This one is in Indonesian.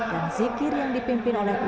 dan zikir yang dipimpin oleh umat